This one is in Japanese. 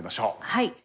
はい。